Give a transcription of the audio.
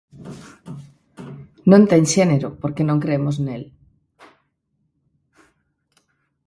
Non ten xénero, porque non cremos nel.